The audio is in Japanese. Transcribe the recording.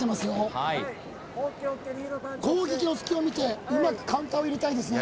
はい攻撃の隙を見てうまくカウンターを入れたいですね